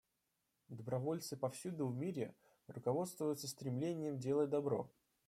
Добровольцы повсюду в мире руководствуются стремлением делать добро.